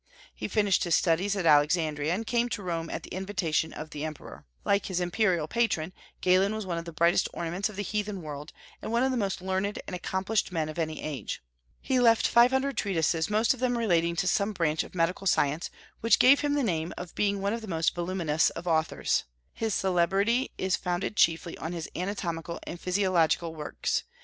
He finished his studies at Alexandria, and came to Rome at the invitation of the Emperor. Like his imperial patron, Galen was one of the brightest ornaments of the heathen world, and one of the most learned and accomplished men of any age. He left five hundred treatises, most of them relating to some branch of medical science, which give him the name of being one of the most voluminous of authors. His celebrity is founded chiefly on his anatomical and physiological works.